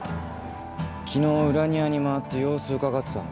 昨日裏庭に回って様子うかがってたの。